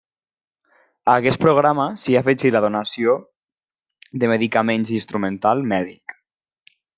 A aquest programa s'hi ha afegit la donació de medicaments i instrumental mèdic.